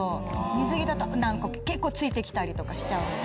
水着だと結構ついて来たりとかしちゃうので。